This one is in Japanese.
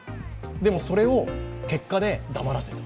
でも、それを結果で黙らせたと。